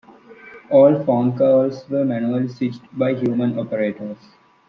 All phone calls were manually switched by human operators.